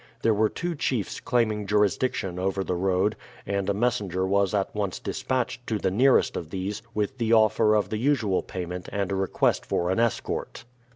There were two chiefs claiming jurisdiction over the road, and a messenger was at once dispatched to the nearest of these with the offer of the usual payment and a request for an escort.